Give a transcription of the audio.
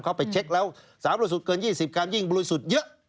ไปเช็คแล้ว๓บริสุทธิ์เกิน๒๐การยิ่งบริสุทธิ์เยอะ